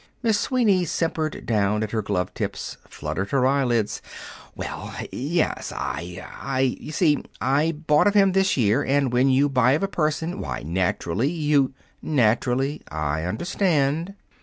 Miss Sweeney simpered down at her glove tips, fluttered her eyelids. "Well yes I I you see, I bought of him this year, and when you buy of a person, why, naturally, you " "Naturally; I understand."